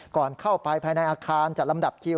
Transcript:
ก่อนเข้าไปภายในอาคารจัดลำดับคิว